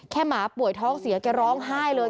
หมาป่วยท้องเสียแกร้องไห้เลย